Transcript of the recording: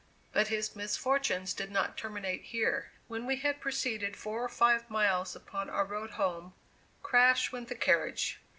But his misfortunes did not terminate here. When we had proceeded four or five miles upon our road home, crash went the carriage.